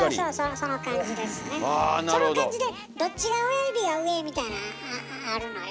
その感じでどっちが親指が上みたいなんあるのよ。